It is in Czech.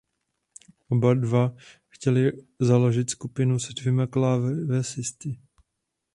Oba dva chtěli založit skupinu se dvěma klávesisty.